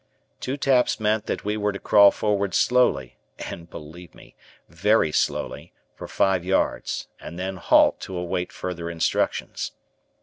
Two taps meant that we were to crawl forward slowly and believe me, very slowly for five yards, and then halt to await further instructions.